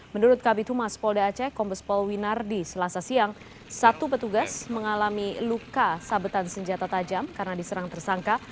menurut kabit humas polda aceh kombespol winardi selasa siang satu petugas mengalami luka sabetan senjata tajam karena diserang tersangka